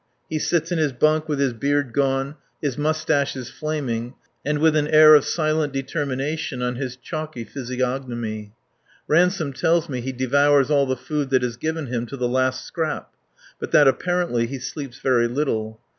He sits in his bunk with his beard gone, his moustaches flaming, and with an air of silent determination on his chalky physiognomy. Ransome tells me he devours all the food that is given him to the last scrap, but that, apparently, he sleeps very little.